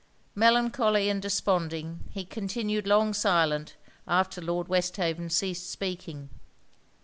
Melancholy and desponding, he continued long silent after Lord Westhaven ceased speaking.